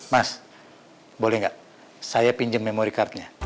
mas boleh gak saya pinjem memory card nya